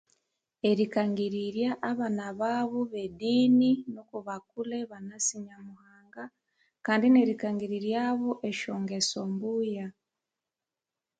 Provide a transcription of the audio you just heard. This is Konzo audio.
Erikangirirya abana babo be edini, nuko bakule ibanasi Nyamuhanga kandi nerikangiriryabo esyangeso mbuya.